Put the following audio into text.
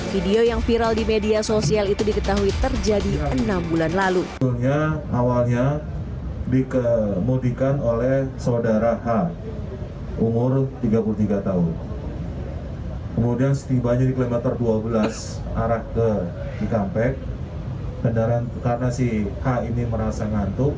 video yang viral di media sosial itu diketahui terjadi enam bulan lalu